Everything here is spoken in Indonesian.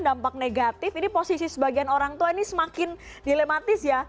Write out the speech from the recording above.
dampak negatif ini posisi sebagian orang tua ini semakin dilematis ya